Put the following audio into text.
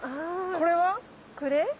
これ？